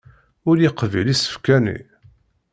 Ur yeqbil isefka-nni.